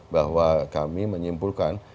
bahwa kami menyimpulkan